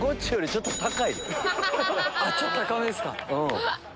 ちょっと高めですか。